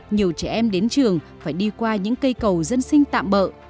nhiều trẻ em đến trường phải đi qua những cây cầu dân sinh tạm bỡ